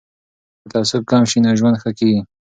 که تعصب کم سي نو ژوند ښه کیږي.